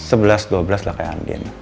eh sebelas dua belas lah kayak andien